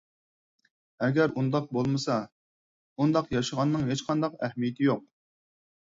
ئەگەر ئۇنداق بولمىسا، ئۇنداق ياشىغاننىڭ ھېچقانداق ئەھمىيىتى يوق.